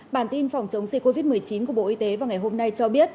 bản tin phòng chống dịch covid một mươi chín của bộ y tế vào ngày hôm nay cho biết